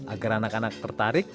agar anak anak tertarik